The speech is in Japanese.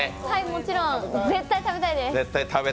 もちろん絶対食べたいです！